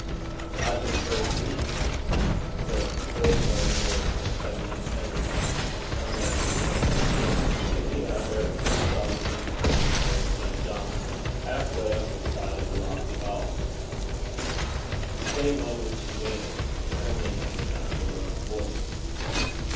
'God has heard me!' said a full toned voice of feminine tenderness somewhere in the air. Looking up, Ericson saw the dim form of Mary St. John half way up the side of the lofty hall. The same moment she vanished trembling at the sound of her own voice.